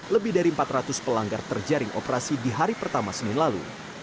lebih dari empat ratus pelanggar terjaring operasi di hari pertama senin lalu